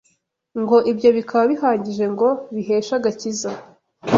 ngo ibyo bikaba bihagije ngo biheshe agakiza,